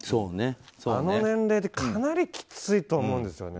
あの年齢でかなりきついと思うんですよね。